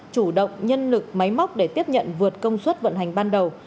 chủ động nhân lực máy móc để tiếp nhận vượt công suất vận hành ban đầu